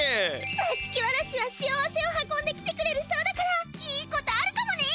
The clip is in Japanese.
ざしきわらしは幸せを運んできてくれるそうだからいいことあるかもね！